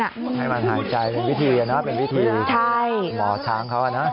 ให้มันหายใจเป็นวิธีนะเป็นวิธีหมอช้างเขานะ